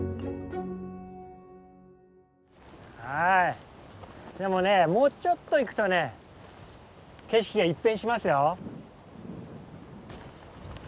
はいでもねもうちょっと行くとね景色が一変しますよ。